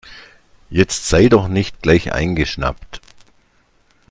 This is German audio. Jetzt sei doch nicht gleich eingeschnappt.